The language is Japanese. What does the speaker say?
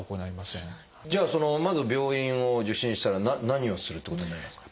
じゃあまず病院を受診したら何をするっていうことになりますか？